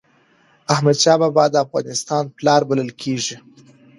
احمد شاه بابا د افغانستان پلار بلل کېږي.